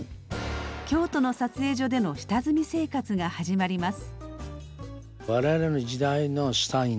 京都の撮影所での下積み生活が始まります。